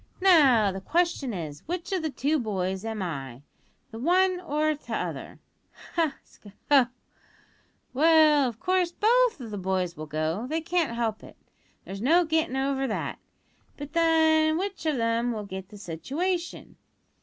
Now, the question is, which o' the two boys am I the one or the t'other ha! sk! ho! Well, of course, both o' the boys will go; they can't help it, there's no gittin' over that; but, then, which of 'em will git the situation?